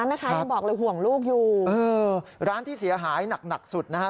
มั้ยคะอย่าบอกเลยห่วงลูกอยู่เออร้านที่เสียหายหนักสุดนะฮะ